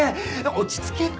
落ち着けって。